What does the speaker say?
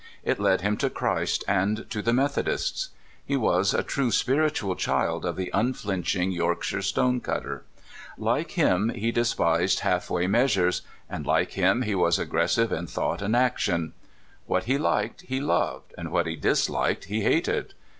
It led him to Christ and to the Methodists. He was a true spiritual child of the unflinching Yorkshire stone cutter. Like him, he despised halfway measures; and like him, he was aggressive in thought and action. What he Hked he loved; what he disliked he hated.